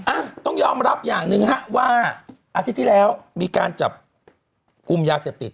อ่ะต้องยอมรับอย่างหนึ่งฮะว่าอาทิตย์ที่แล้วมีการจับกลุ่มยาเสพติด